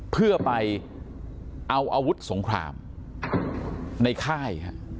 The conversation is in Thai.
เพื่อไปเอาอาวุธสงครามในค่าย